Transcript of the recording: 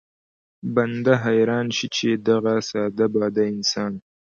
بنده حيران شي چې دغه ساده باده انسان